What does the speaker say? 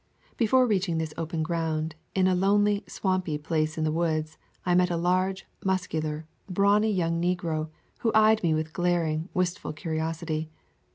Before reaching this open ground, in a lonely, swampy place in the woods, I met a large, mus cular, brawny young negro, who eyed me with glaring, wistful curiosity.